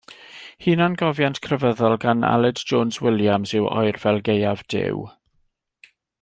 Hunangofiant crefyddol gan Aled Jones Williams yw Oerfel Gaeaf Duw.